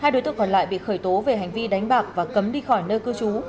hai đối tượng còn lại bị khởi tố về hành vi đánh bạc và cấm đi khỏi nơi cư trú